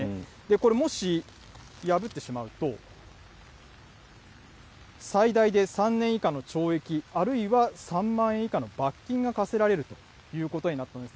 これ、もし破ってしまうと、最大で３年以下の懲役、あるいは３万円以下の罰金が科せられるということになったんです。